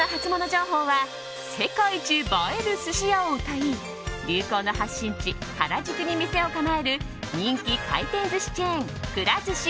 情報は世界一映える寿司屋をうたい流行の発信地・原宿に店を構える人気回転寿司チェーンくら寿司